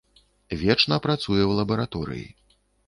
Вечна працуе ў лабараторыі.